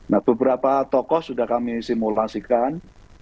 nah beberapa tokoh sudah kami simulasikan